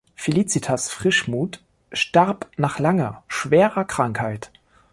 Felicitas Frischmuth starb nach langer schwerer Krankheit.